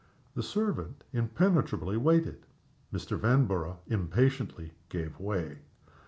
_" The servant impenetrably waited. Mr. Vanborough impatiently gave way.